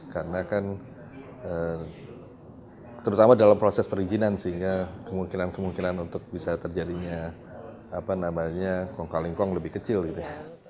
karena kan terutama dalam proses perizinan sehingga kemungkinan kemungkinan untuk bisa terjadinya kongkal lingkong lebih kecil gitu